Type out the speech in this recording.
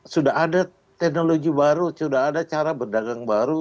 sudah ada teknologi baru sudah ada cara berdagang baru